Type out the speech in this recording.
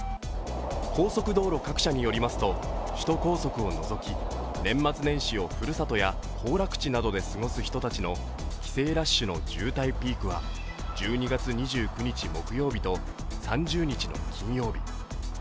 高速道路各社によりますと首都高速を除き年末年始をふるさとや行楽地で過ごす人たちの帰省ラッシュの渋滞ピークは１２月２９日木曜日と３０日の金曜日。